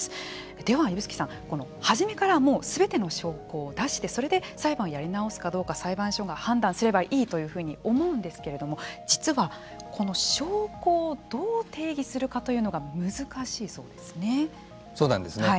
では、指宿さん初めから、もうすべての証拠を出してそれで裁判をやり直すかどうか裁判所が判断すればいいというふうに思うんですけれども実は、この証拠をどう提示するかというのがそうなんですね。